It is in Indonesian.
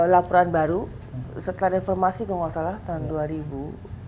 laporan baru setelah reformasi keuasan tahun dua ribu